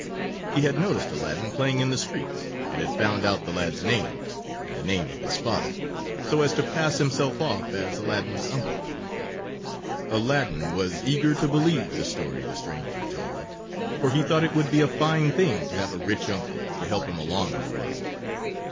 He had noticed Aladdin playing in the streets and had found out the lad's name and the name of his father, so as to pass himself off as Aladdin's uncle. Aladdin was eager to believe the story the stranger told, for he thought it would be a fine thing to have a rich uncle to help him along in the world.